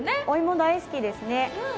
お芋、大好きですね。